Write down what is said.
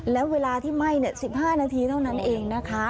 แล้วเวลาที่ไหม้๑๕นาทีเท่านั้นเองนะคะ